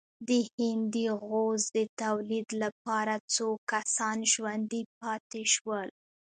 د هندي غوز د تولید لپاره څو کسان ژوندي پاتې شول.